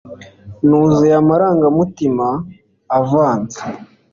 nuzuye amarangamutima avanze